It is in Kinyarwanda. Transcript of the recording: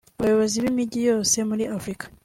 abayobozi b’imijyi yose yo muri Afurika